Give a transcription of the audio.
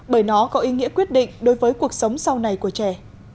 bởi nó có ý nghĩa quyết định đối với cuộc sống sau này của trẻ